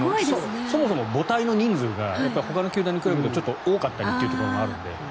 そもそも母体の人数がほかの球団に比べてちょっと多かったりというところもあるので。